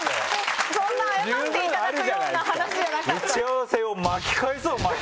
そんな謝っていただくような話じゃなかった。